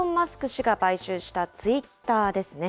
氏が買収したツイッターですね。